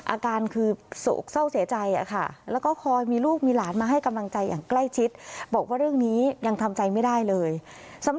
อาการคือโศกเศร้าเสียใจค่ะ